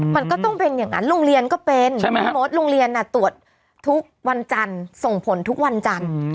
มันก็ต้องเป็นอย่างนั้นโรงเรียนก็เป็นใช่ไหมพี่มดโรงเรียนตรวจทุกวันจันทร์ส่งผลทุกวันจันทร์